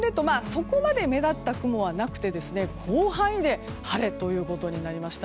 そこまで目立った雲はなくて広範囲で晴れということになりました。